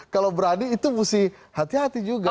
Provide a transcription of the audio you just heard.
kalau berani itu mesti hati hati juga